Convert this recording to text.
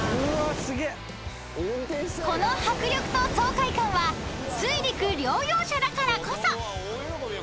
［この迫力と爽快感は水陸両用車だからこそ］